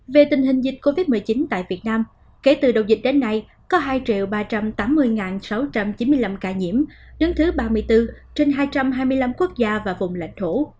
về tình hình dịch covid một mươi chín tại việt nam kể từ đầu dịch đến nay có hai ba trăm tám mươi sáu trăm chín mươi năm ca nhiễm đứng thứ ba mươi bốn trên hai trăm hai mươi năm quốc gia và vùng lãnh thổ